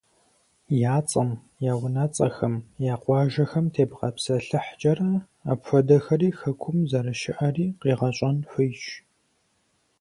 Я цӏэм, я унэцӏэхэм, я къуажэхэм тебгъэпсэлъыхькӏэрэ, апхуэдэхэри Хэкум зэрыщыӏэри къегъэщӏэн хуейщ.